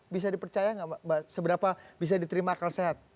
bisa dipercaya nggak mbak seberapa bisa diterima akal sehat